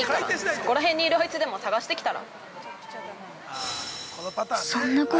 そこら辺にいるあいつでも探してきたら。